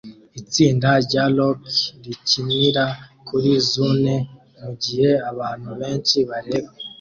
Itsinda rya rock rikinira kuri Zune mugihe abantu benshi bareba